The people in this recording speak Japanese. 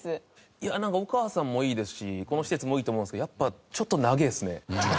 いやなんかお母さんもいいですしこの施設もいいと思うんですけどやっぱちょっと長えっすね。